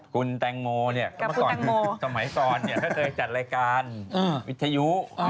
คุณแตงโมเนี่ยกับคุณแตงโม